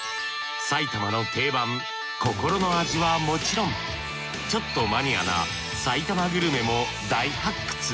さいたまの定番心の味はもちろんちょっとマニアなさいたまグルメも大発掘！